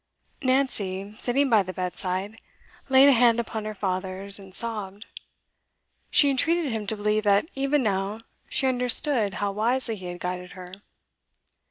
Nancy, sitting by the bedside, laid a hand upon her father's and sobbed. She entreated him to believe that even now she understood how wisely he had guided her.